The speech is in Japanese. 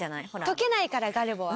溶けないからガルボは。